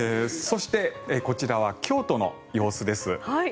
そしてこちらは京都の様子です。